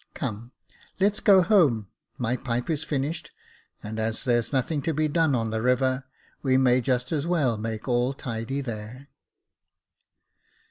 Come, let's go home, my pipe is finished, and as there's nothing to be done on the river, we may just as well make all tidy there."